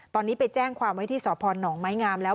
ตอนนี้ไปแจ้งความไว้ที่สพนไม้งามแล้ว